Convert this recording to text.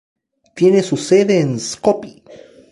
Tiene su sede en Skopie.